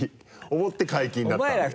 思って解禁だったんだよ。